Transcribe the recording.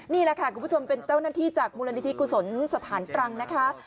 นี่แหละค่ะคุณผู้ชมเป็นเจ้าหน้าที่จากมูลนิธิกุศลสถานตรังนะคะ